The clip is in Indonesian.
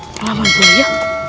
selamat pulang ya